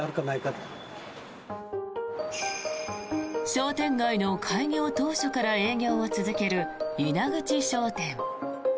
商店街の開業当初から営業を続ける稲口商店。